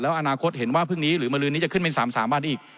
อนาคตเห็นว่าพรุ่งนี้หรือมลืนนี้จะขึ้นเป็น๓๓วันอีก